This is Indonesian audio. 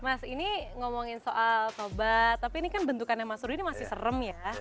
mas ini ngomongin soal tobat tapi ini kan bentukannya mas rudy ini masih serem ya